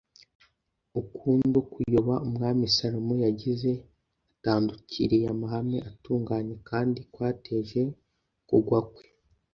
ukundu kuyoba umwami salomo yagize atandukiriye amahame atunganye kandi kwateje kugwa kwe